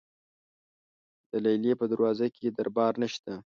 د لیلې په دروازه کې دربان نشته.